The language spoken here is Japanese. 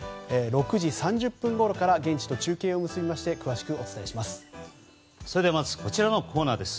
６時３０分ごろから現地と中継を結んで詳しくお伝えします。